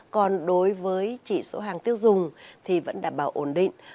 còn đối với chỉ số hàng tiêu dùng thì vẫn đảm bảo ổn định